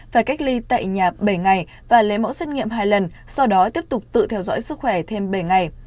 phải cách ly tại nhà bảy ngày và lấy mẫu xét nghiệm hai lần sau đó tiếp tục tự theo dõi sức khỏe thêm bảy ngày